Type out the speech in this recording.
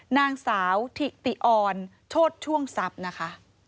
นางสาวถิติออนโชธช่วงทรัพย์นะคะ